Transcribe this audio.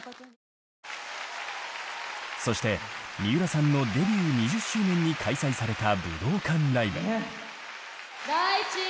そして三浦さんのデビュー２０周年に開催された武道館ライブ。